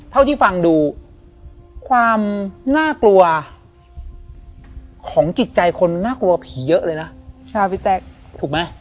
ถูกไหม